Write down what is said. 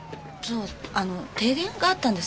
あの停電があったんですよ。